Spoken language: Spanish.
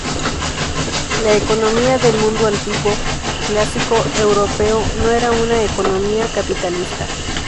La economía del mundo antiguo clásico europeo no era una economía capitalista.